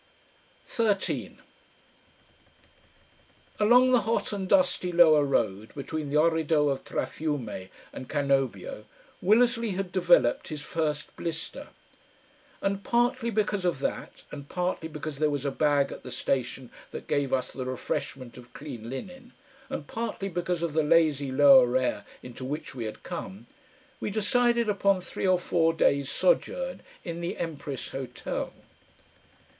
13 Along the hot and dusty lower road between the Orrido of Traffiume and Cannobio Willersley had developed his first blister. And partly because of that and partly because there was a bag at the station that gave us the refreshment of clean linen and partly because of the lazy lower air into which we had come, we decided upon three or four days' sojourn in the Empress Hotel.